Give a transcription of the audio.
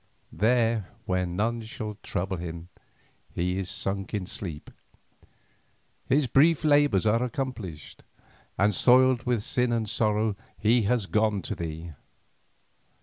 There where none shall trouble him he is sunk in sleep. His brief labours are accomplished, and soiled with sin and sorrow, he has gone to thee.